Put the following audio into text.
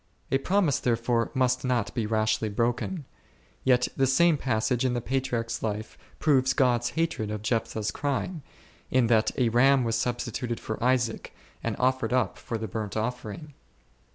A promise therefore must not be rashly broken ; yet the same passage in the Patriarch's life proves God's hatred of Jephthah's crime, in that a ram was substituted for Isaac, and offered up for the burnt offering.